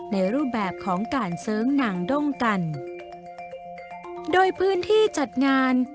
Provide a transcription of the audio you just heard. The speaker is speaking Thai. ในรูปแบบของการเสิร์งหนังด้งกันโดยพื้นที่จัดงาน